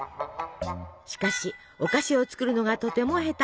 しかしお菓子を作るのがとても下手。